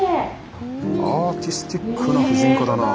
アーティスティックな婦人科だな。